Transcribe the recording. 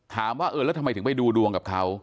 ถามว่าเออแล้วทำไมถึงไปดูดวงกับเขา